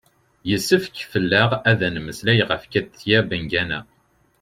yessefk fell-aɣ ad d-nemmeslay ɣef katia bengana